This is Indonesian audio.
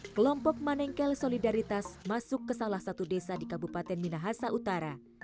kelompok manengkel solidaritas masuk ke salah satu desa di kabupaten minahasa utara